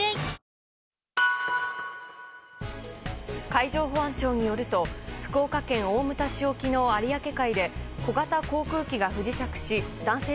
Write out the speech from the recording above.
海上保安庁によると福岡県大牟田市沖の有明海で小型航空機が不時着し男性